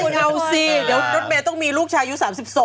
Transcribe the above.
เดี๋ยวรถเบย์ต้องมีลูกชายู๓๒